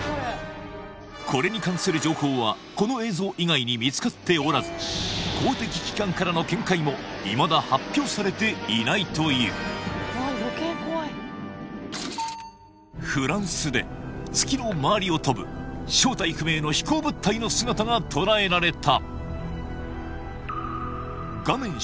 これに関する情報はこの映像以外に見つかっておらず公的機関からの見解もいまだ発表されていないというフランスで月の周りを飛ぶ正体不明の飛行物体の姿が捉えられた